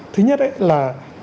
thứ nhất ấy là